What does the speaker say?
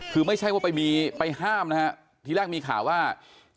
คือไม่ใช่ว่าไปมีไปห้ามนะฮะทีแรกมีข่าวว่า